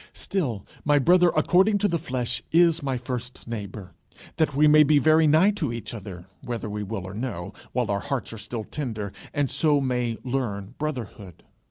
Still my brother according to the flesh is my first neighbour, that we may be very nigh to each other, whether we will or no, while our hearts are tender, and so may learn brotherhood.